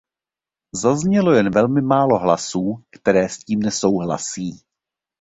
Zaznělo jen velmi málo hlasů, které s tím nesouhlasí.